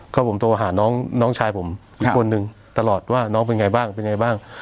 ก็ผมโทรหาน้องชายผมอีกคนนึงตลอดว่าน้องเป็นไงบ้างเป็นไงบ้าง